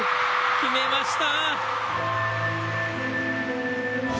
決めました。